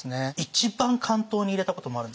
一番巻頭に入れたこともあるんですよ。